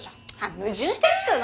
矛盾してるっつの。